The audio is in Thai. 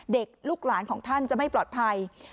ลูกหลานของท่านจะไม่ปลอดภัย